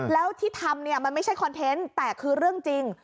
แล้วที่ทำเนี่ยมันไม่ใช่คอนเทนต์แต่คือเรื่องจริง